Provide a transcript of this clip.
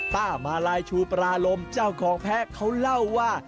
ป้ามาลัยชูปราลมเจ้าของแพ้เขาเล่าว่า